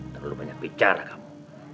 terlalu banyak bicara kamu